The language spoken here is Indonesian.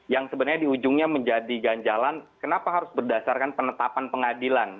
yang sebenarnya di ujungnya menjadi ganjalan kenapa harus berdasarkan penetapan pengadilan